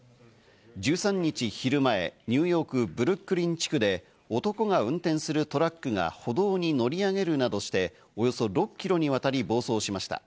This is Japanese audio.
１３日昼前、ニューヨーク・ブルックリン地区で男が運転するトラックが歩道に乗り上げるなどして、およそ６キロにわたり暴走しました。